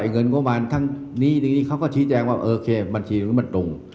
ไอ้เงินเขามาทั้งนี้นึงนี้เขาก็ชี้แจงว่าโอเคบัญชีนี้มันตรง